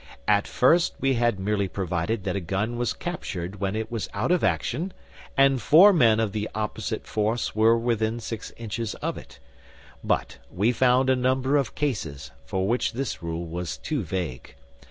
At first we had merely provided that a gun was captured when it was out of action and four men of the opposite force were within six inches of it, but we found a number of cases for which this rule was too vague.